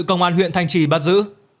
công an huyện thanh trì bắt giữ